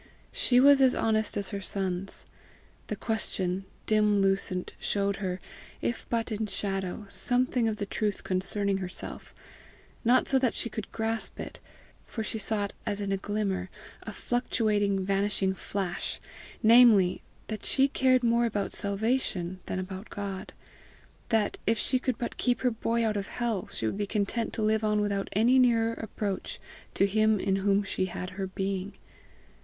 She was as honest as her sons. The question, dim lucent, showed her, if but in shadow, something of the truth concerning herself not so that she could grasp it, for she saw it as in a glimmer, a fluctuating, vanishing flash namely, that she cared more about salvation than about God that, if she could but keep her boy out of hell, she would be content to live on without any nearer approach to him in whom she had her being!